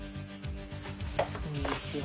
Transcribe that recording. こんにちは。